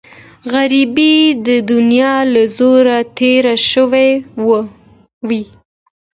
غریب د دنیا له زوره تېر شوی وي